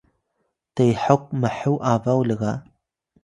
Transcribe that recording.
tehok mhu abaw lga